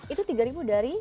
itu tiga ribu dari